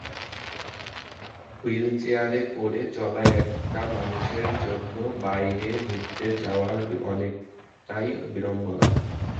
হুইলচেয়ারে করে চলা একটা মানুষের জন্য বাইরে ঘুরতে যাওয়া অনেকটাই বিড়ম্বনার।